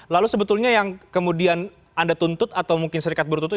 lalu sebetulnya yang kemudian anda tuntut atau mungkin serikat buru tuntut